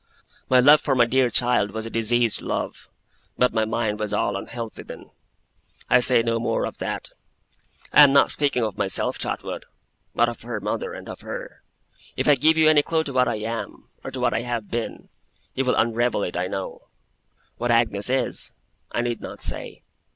'My love for my dear child was a diseased love, but my mind was all unhealthy then. I say no more of that. I am not speaking of myself, Trotwood, but of her mother, and of her. If I give you any clue to what I am, or to what I have been, you will unravel it, I know. What Agnes is, I need not say.